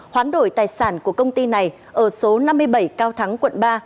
hoán đổi tài sản của công ty này ở số năm mươi bảy cao thắng quận ba